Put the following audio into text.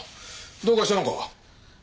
どうかしたのか？